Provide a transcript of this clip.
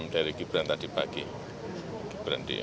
dari gibran tadi pagi